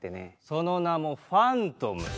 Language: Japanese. その名もファントム。